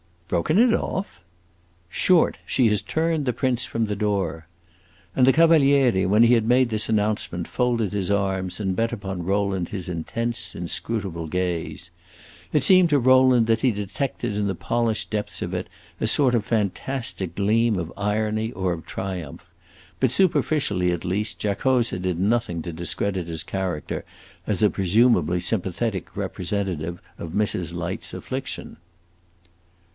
"Broken it off?" "Short! She has turned the prince from the door." And the Cavaliere, when he had made this announcement, folded his arms and bent upon Rowland his intense, inscrutable gaze. It seemed to Rowland that he detected in the polished depths of it a sort of fantastic gleam of irony or of triumph; but superficially, at least, Giacosa did nothing to discredit his character as a presumably sympathetic representative of Mrs. Light's affliction.